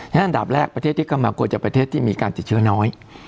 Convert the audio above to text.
อันดับแรกประเทศที่เข้ามากลัวจะประเทศที่มีการติดเชื้อน้อย